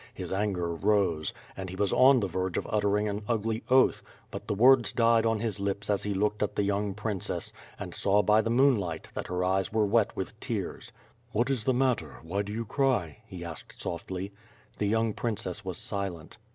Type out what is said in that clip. His anger rose, and he was on the verge of uttering an ugly oath; but the words died on his lips as he looked at the young princess, and saw by the moonlight, that her eyes were wet with tears. "What is the matter? Why do you cry?" he asked softly. The young princess was silent.